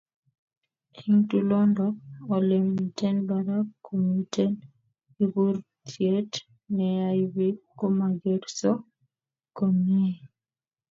eng tulondok, olemiten barak komiten kiburutyet neyoe biik komagerso komnyei